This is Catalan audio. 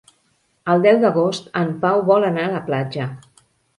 El deu d'agost en Pau vol anar a la platja.